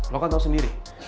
lo kan tau sendiri